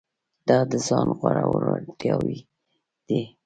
دا د ځان غوړولو اړتیاوې دي.